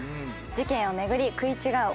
事件を巡り食い違う